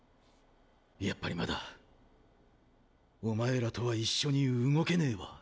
やっぱりまだお前らとは一緒に動けねぇわ。